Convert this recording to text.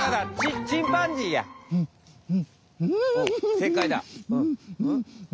せいかいだ。